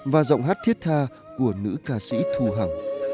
và giọng hát thiết tha của nữ ca sĩ thu hằng